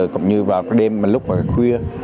cũng như vào đêm lúc khuya